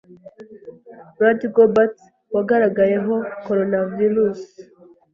Rudy Gobert, wagaragayeho Coronavirus,